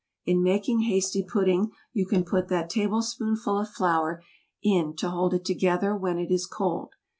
In making hasty pudding you can put that tablespoonful of flour in to hold it together when it is cold.